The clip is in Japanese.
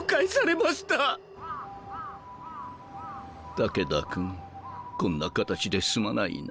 武田君こんな形ですまないな。